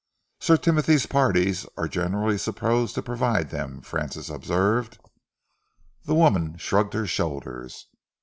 "Sir Timothy's parties are generally supposed to provide them," Francis observed. The woman shrugged her shoulders.